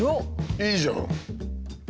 いいじゃん！